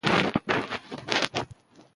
شخصیت لرو.